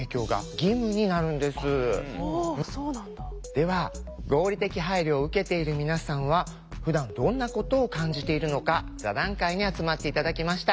では合理的配慮を受けている皆さんはふだんどんなことを感じているのか座談会に集まって頂きました。